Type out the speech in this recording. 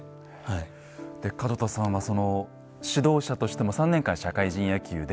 門田さんは指導者としても３年間社会人野球で。